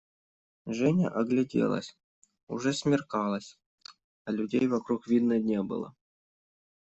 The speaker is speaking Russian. Женя огляделась: уже смеркалось, а людей вокруг видно не было.